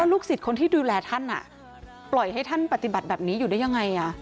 ลูกศิษย์คนที่ดูแลท่านปล่อยให้ท่านปฏิบัติแบบนี้อยู่ได้ยังไง